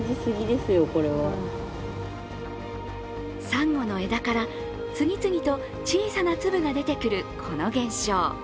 サンゴの枝から次々と小さな粒が出てくる、この現象。